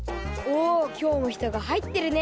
おおきょうもひとがはいってるね。